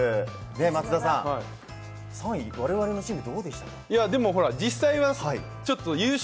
松田さん、３位、我々のチームいかがでした？